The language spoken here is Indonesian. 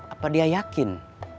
apa dia yakin